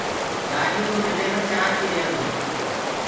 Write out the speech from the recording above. گآڏيو ڪوَ ڊليور چآنه پيٚ هيرو تو